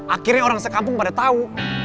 akhirnya orang sekampung pada tahu